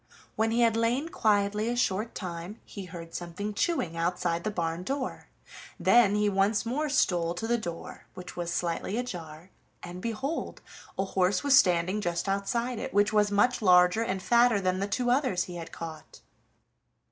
When he had lain quietly a short time, he heard something chewing outside the barn door; then he once more stole to the door, which was slightly ajar, and behold, a horse was standing just outside it, which was much larger and fatter than the two others he had caught.